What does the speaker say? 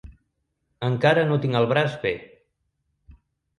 Encara no tinc el braç bé